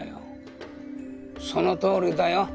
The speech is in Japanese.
そのとおりだよ。